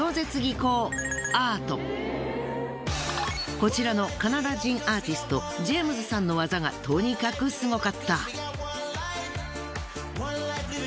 こちらのカナダ人アーティストジェームズさんの技がとにかくすごかった。